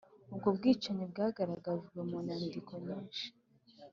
ubwo bwicanyi bwagaragajwe mu nyandiko nyinshi.